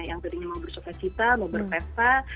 yang tadinya mau bersuka cita mau berpesta